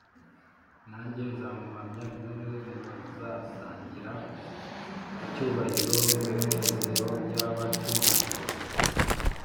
nanjye nzamuhamya nk’umwe mu bazasangira icyubahiro n’umunezero by’abacunguwe